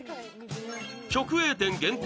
直営店限定